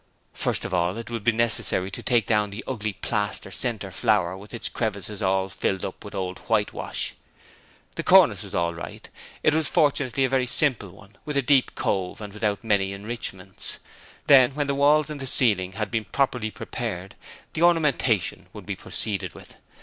First of all it would be necessary to take down the ugly plaster centre flower with its crevices all filled up with old whitewash. The cornice was all right; it was fortunately a very simple one, with a deep cove and without many enrichments. Then, when the walls and the ceiling had been properly prepared, the ornamentation would be proceeded with.